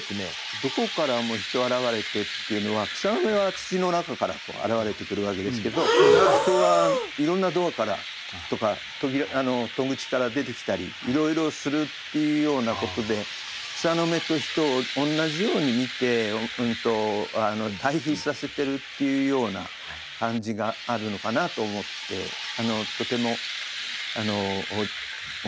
「どこからも人現れて」っていうのは草の芽は土の中から現れてくるわけですけど人はいろんなドアからとか戸口から出てきたりいろいろするっていうようなことで草の芽と人を同じように見て対比させてるっていうような感じがあるのかなと思ってとても面白い句だと思いますね。